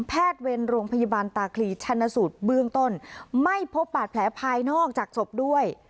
เวรโรงพยาบาลตาคลีชันสูตรเบื้องต้นไม่พบบาดแผลภายนอกจากศพด้วย